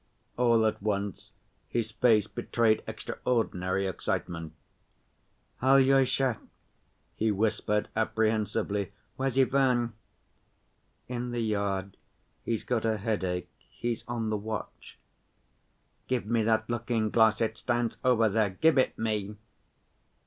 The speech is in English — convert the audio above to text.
All at once his face betrayed extraordinary excitement. "Alyosha," he whispered apprehensively, "where's Ivan?" "In the yard. He's got a headache. He's on the watch." "Give me that looking‐glass. It stands over there. Give it me."